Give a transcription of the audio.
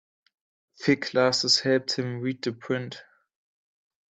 Thick glasses helped him read the print.